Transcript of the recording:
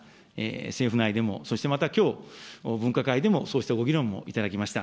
政府内でも、そしてまたきょう、分科会でもそうしたご議論もいただきました。